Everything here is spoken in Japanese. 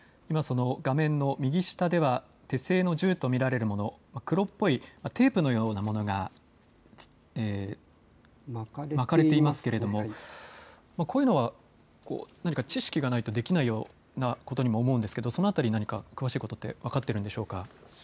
画面の右下では手製の銃と見られるもの、黒っぽいテープのようなものが巻かれていますけれども、こういうのは何か知識がないとできないように思うんですがその辺り、詳しいことは分かっているんでしょうか。